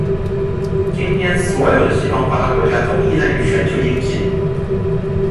今天所有的西方发达国家都依赖于全球经济。